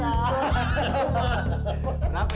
ya sedang ramai cinta